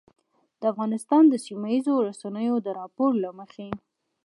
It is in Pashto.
د افغانستان د سیمهییزو رسنیو د راپور له مخې